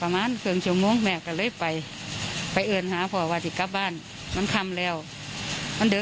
ไม่เคยไปส่องห้าจะสมมุติว่าชายไม่เรื่องไว้